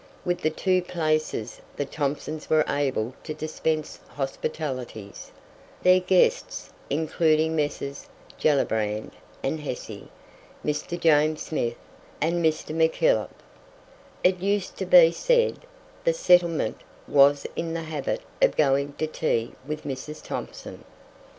With the two places the Thomsons were able to dispense hospitalities, their guests including Messrs. Gellibrand and Hesse, Mr. James Smith, and Mr. Mackillop. It used to be said that "the settlement" was in the habit of going to tea with Mrs. Thomson.